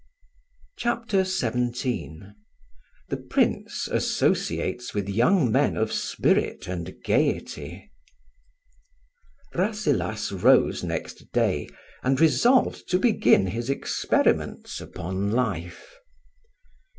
CHAPTER XVII THE PRINCE ASSOCIATES WITH YOUNG MEN OF SPIRIT AND GAIETY. RASSELAS rose next day, and resolved to begin his experiments upon life.